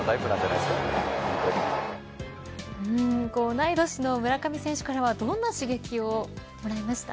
同い年の村上選手からはどんな刺激をもらいました。